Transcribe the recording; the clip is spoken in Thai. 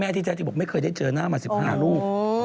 พ่อแม่ที่แท้จริงบอกไม่เคยได้เจอหน้ามาสิบห้าลูก